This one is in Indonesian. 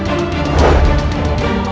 dia tidak bisa mengalahkanku